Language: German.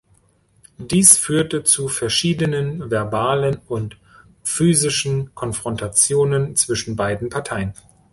Dies führte zu verschiedenen verbalen und physischen Konfrontationen zwischen beiden Parteien.